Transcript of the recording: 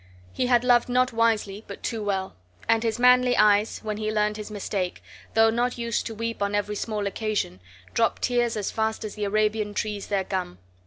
He had loved not wisely, but too well; and his manly eyes (when be learned his mistake), though not used to weep on every small occasion, dropped tears as fast as the Arabian trees their gum.